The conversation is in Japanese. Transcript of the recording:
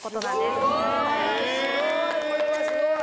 すごい！